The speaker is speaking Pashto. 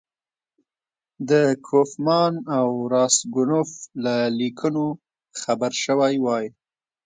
د کوفمان او راسګونوف له لیکونو خبر شوی وای.